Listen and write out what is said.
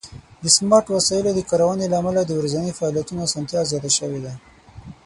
د سمارټ وسایلو د کارونې له امله د ورځني فعالیتونو آسانتیا زیاته شوې ده.